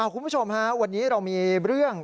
คุณผู้ชมฮะวันนี้เรามีเรื่อง